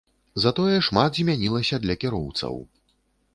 Затое шмат змянілася для кіроўцаў.